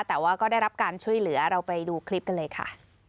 แต่ว่าก็ได้รับการช่วยเหลือเราไปดูคลิปกันเลยค่ะ